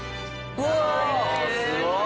うわあすごい。